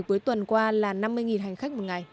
cuối tuần qua là năm mươi hành khách một ngày